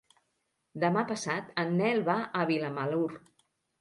Demà passat en Nel va a Vilamalur.